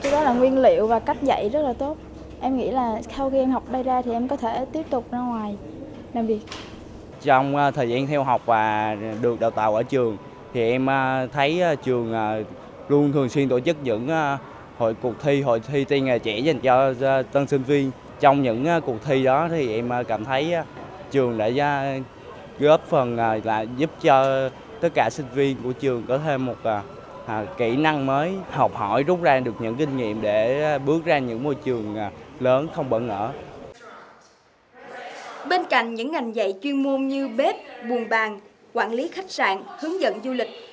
bên cạnh những ngành dạy chuyên môn như bếp buồn bàn quản lý khách sạn hướng dẫn du lịch